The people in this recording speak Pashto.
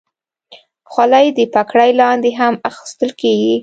خولۍ د پګړۍ لاندې هم اغوستل کېږي.